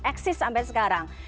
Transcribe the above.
exist sampai sekarang